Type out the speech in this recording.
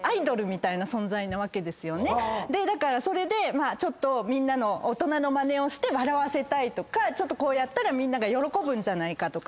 だからそれで大人のまねをして笑わせたいとかこうやったらみんなが喜ぶんじゃないかとか。